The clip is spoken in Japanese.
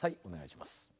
お願いします。